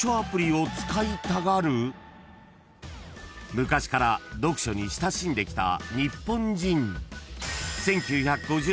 ［昔から読書に親しんできた日本人］